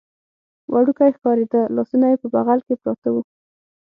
وړوکی ښکارېده، لاسونه یې په بغل کې پراته و.